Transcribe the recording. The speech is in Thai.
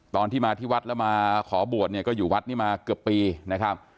ตอนที่มาที่วัดแล้วมาขอบวชเนี่ยก็อยู่วัดนี้มาเกือบปีนะครับ